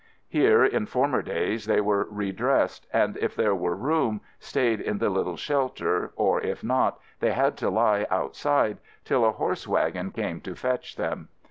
Here in former days they were re dressed, and if there were room, stayed in the little shelter, or if not, they had to lie outside till a horse wagon came to fetch them.